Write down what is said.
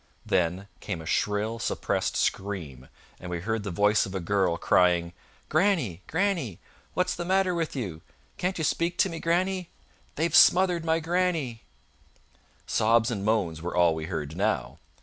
Then came a shrill, suppressed scream; and we heard the voice of a girl, crying: "Grannie! grannie! What's the matter with you? Can't you speak to me, grannie? They've smothered my grannie!" Sobs and moans were all we heard now.